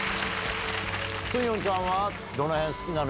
スンヨンちゃんは、どのへんが好きなの？